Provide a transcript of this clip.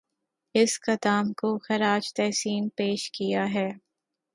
اس قدام کو خراج تحسین پیش کیا ہے